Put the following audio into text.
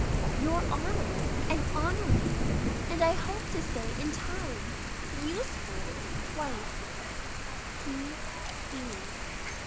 your honoured and honouring, and, I hope to say, in time, useful wife, P.B.